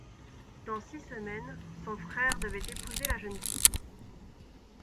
Dans six semaines, son frère devait épouser la jeune fille.